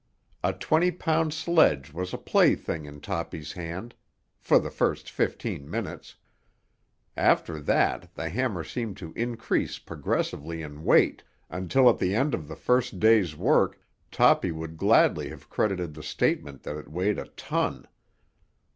A twenty pound sledge was a plaything in Toppy's hand—for the first fifteen minutes. After that the hammer seemed to increase progressively in weight, until at the end of the first day's work Toppy would gladly have credited the statement that it weighed a ton.